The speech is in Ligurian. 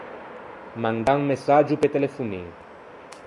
Mandâ un messaggio pe telefonin.